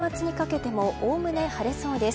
週末にかけてもおおむね晴れそうです。